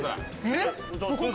えっ！